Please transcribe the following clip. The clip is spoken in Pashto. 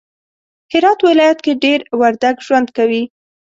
هرات ولایت کی دیر وردگ ژوند کوی